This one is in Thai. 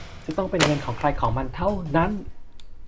จะต้องเป็นเงินของใครของมันเท่านั้น